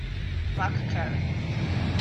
Mark Curry